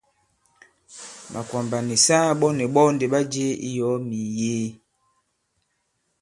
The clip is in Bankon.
Màkwàmbà nì saa ɓɔ nì ɓɔ ndì ɓa jie i yɔ̀ɔ mì mìyee.